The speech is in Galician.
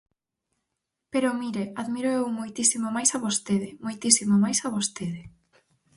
Pero mire, admíroo eu moitísimo máis a vostede, moitísimo máis a vostede.